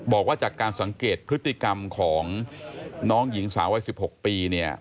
บอกว่าจากการสังเกตพฤติกรรมของน้องหญิงสาววัย๑๖ปี